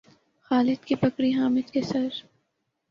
خالد کی پگڑی حامد کے سر